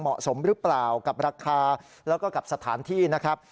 เหมาะสมหรือเปล่ากับราคาแล้วก็กับสถานที่นะครับ